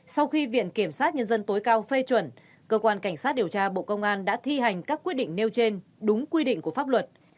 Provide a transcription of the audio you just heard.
sau khi viện kiểm sát nhân dân tối cao phê chuẩn cơ quan cảnh sát điều tra bộ công an đã thi hành các quyết định nêu trên đúng quy định của pháp luật